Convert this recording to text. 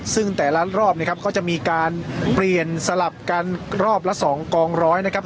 ซึ่งแต่ละรอบนะครับก็จะมีการเปลี่ยนสลับกันรอบละ๒กองร้อยนะครับ